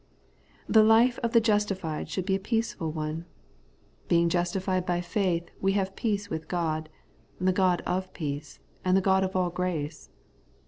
The life of the justified should be a peaceful one. Being justified by faith, we have peace with God, — the God of peace, and the God of all grace.